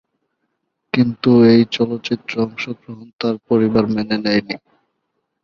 কিন্তু এই চলচ্চিত্রে অংশগ্রহণ তার পরিবার মেনে নেয়নি।